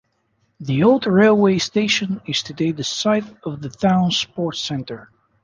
The old railway station is today the site of the town's sports centre.